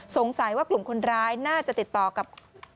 สงสัยว่ากลุ่มคนร้ายน่าจะติดต่อกับ